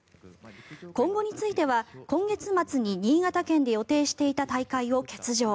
今後については今月末に新潟県で予定していた大会を欠場。